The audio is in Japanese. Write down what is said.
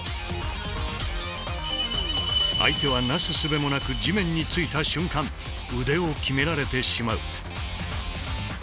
相手は為す術もなく地面についた瞬間腕を極められてしまう。